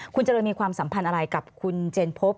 คุณเจริญมีความสัมพันธ์อะไรกับคุณเจนพบ